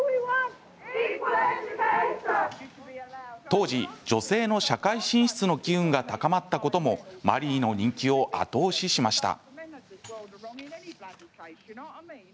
当時、女性の社会進出の機運が高まったこともマリーの人気を後押ししました。